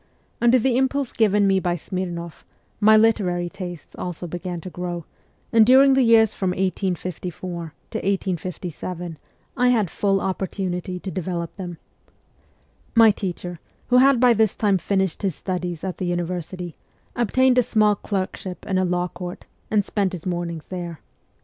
Under the impulse given me by Smirnoff, my literary tastes also began to grow, and during the years from 1854 to 1857 I had full opportunity to develop them. My teacher, who had by this time finished his studies at the university, obtained a small clerkship in a law court, and spent his mornings there.